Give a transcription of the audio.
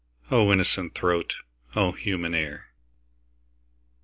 O innocent throat! O human ear!